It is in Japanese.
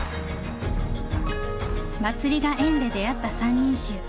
祭りが縁で出会った三人衆。